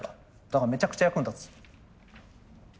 だからめちゃくちゃ役に立つ。